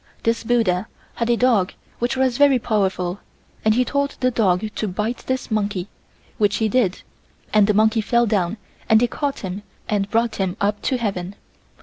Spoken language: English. This buddha had a dog which was very powerful and he told the dog to bite this monkey, which he did, and the monkey fell down and they caught him and brought him up to heaven.